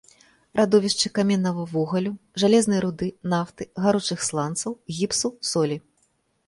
Радовішчы каменнага вугалю, жалезнай руды, нафты, гаручых сланцаў, гіпсу, солі.